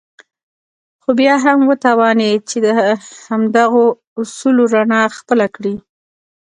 خو بيا هم وتوانېد چې د همدغو اصولو رڼا خپله کړي.